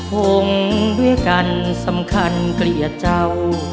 คงด้วยกันสำคัญเกลี่ยเจ้า